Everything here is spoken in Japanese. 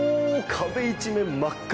壁一面、真っ赤。